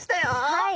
はい。